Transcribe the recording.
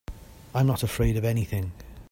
I'm not afraid of anything.